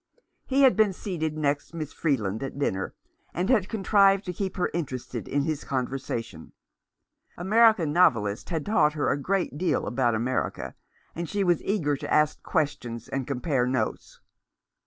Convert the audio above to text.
He had been seated next Miss Freeland at dinner, and had contrived to keep her interested in his conversation. American novelists had taught her a good deal about America, and she was eager to ask questions and compare notes.